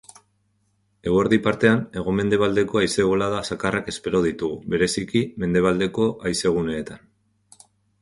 Eguerdi partean, hego-mendebaldeko haize-bolada zakarrak espero ditugu, bereziki mendebaldeko haizeguneetan.